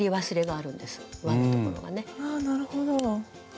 あなるほど。